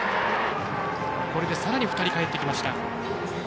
これで２人かえってきました。